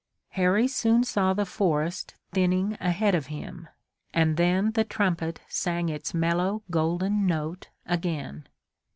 Harry soon saw the forest thinning ahead of him and then the trumpet sang its mellow, golden note again.